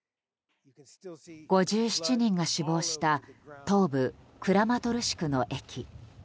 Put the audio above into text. ５７人が死亡した東部クラマトルシクの駅。